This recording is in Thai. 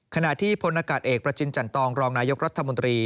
ขณะที่พลอากาศเอกประจินจันตองรองนายกรัฐมนตรี